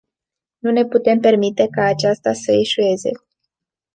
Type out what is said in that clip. Nu ne putem permite ca aceasta să eșueze.